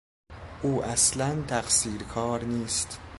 او اصلا تقصیر کار نیست.